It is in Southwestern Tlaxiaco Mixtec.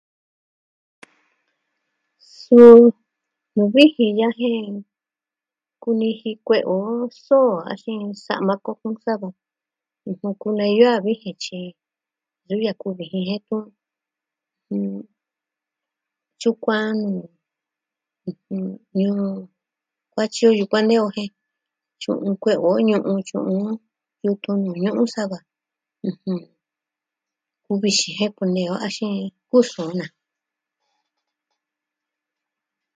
Suu nuu vijin ya'a jen, kuni ji kue'e o soo axin sa'ma kokun savo. Kunei yo a vijin tyi ntu yaku vijin jen tu. tyukuan ñuu kuatyi yukuan nee o jen Tyu'un kue'e o ñu'un tyu'un. Yuku nuu ñuu sava. Ku vixin jen kunee o a xeen. kuu xii na.